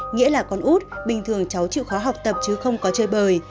nghĩa là con út bình thường cháu chịu khó học tập chứ không có chơi bời